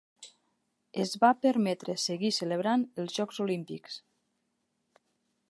Es va permetre seguir celebrant els jocs olímpics.